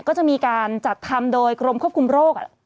ก็จะมีการจัดทำโดยกรมควบคุมโรค